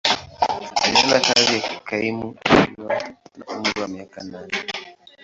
Alianza kazi ya kaimu akiwa na umri wa miaka nane.